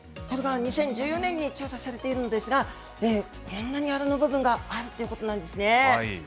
２０１４年に調査されているんですが、こんなにアラの部分があるということなんですね。